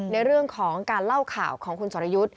ในเรื่องของการเล่าข่าวของคุณสรยุทธ์